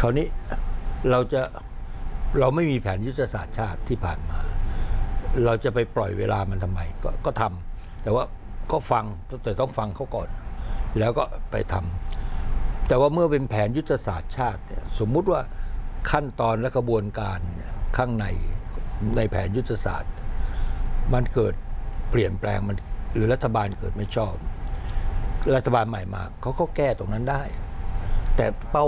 คราวนี้เราจะเราไม่มีแผนยุทธศาสตร์ชาติที่ผ่านมาเราจะไปปล่อยเวลามันทำไมก็ทำแต่ว่าก็ฟังตั้งแต่ต้องฟังเขาก่อนแล้วก็ไปทำแต่ว่าเมื่อเป็นแผนยุทธศาสตร์ชาติเนี่ยสมมุติว่าขั้นตอนและกระบวนการข้างในในแผนยุทธศาสตร์มันเกิดเปลี่ยนแปลงมันคือรัฐบาลเกิดไม่ชอบรัฐบาลใหม่มาเขาก็แก้ตรงนั้นได้แต่เป้า